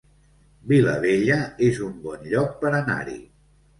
Vilabella es un bon lloc per anar-hi